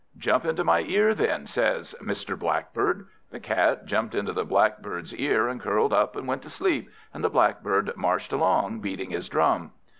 "Jump into my ear, then," says Mr. Blackbird. The Cat jumped into the Blackbird's ear, and curled up, and went to sleep: and the Blackbird marched along, beating his drum.